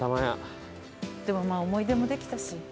でもまあ思い出もできたし。